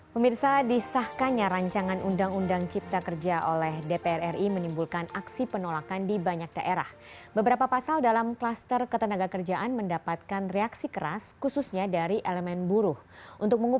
pada kriteria pengetahuan